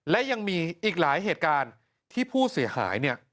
และยังมีอีกหลายเหตุการณ์ที่ผู้เสียหายเนี่ย